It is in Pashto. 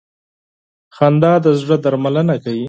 خندا د زړه درملنه کوي.